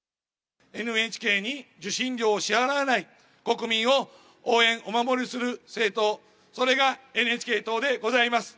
ＮＨＫに受信料を支払わない、国民を応援、お守りする政党、それがＮＨＫ党でございます。